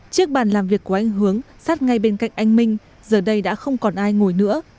chiếc bàn làm việc của anh hướng sát ngay bên cạnh anh minh giờ đây đã không còn ai ngồi nữa